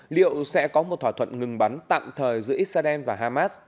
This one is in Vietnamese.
liệu sẽ có một thỏa thuận ngừng bắn tạm thời giữa israel và hamas